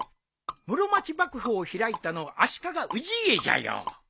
室町幕府を開いたのは足利氏家じゃよ。